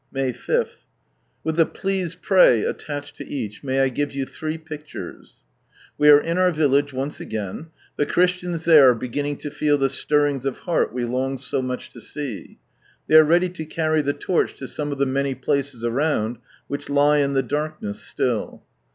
May 5. — With a " Please pray " attached to each, may I give you three pictures ? We are in our village once again. The Christians there arc beginning to feel the stirrings of heart we long so ranch to see. They are ready to carry the torch to some of the many places arounil, which lie in the darkness still.